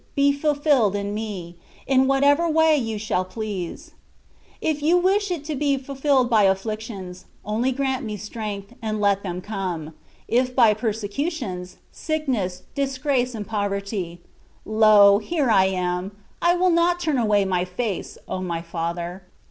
be fulfilled in me, in whatever way You shall please : if You wish it to be fulfilled by afflictions, only grant me strength, and let them come : if by persecutions, sickness, disgrace, and poverty — ^lo ! here I am : I will not turn away my face, O my Father